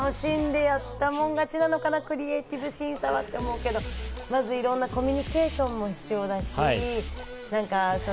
でも楽しんでやったもん勝ちなのかな、クリエイティブ審査は。って思うけど、まずコミュニケーションも必要だし。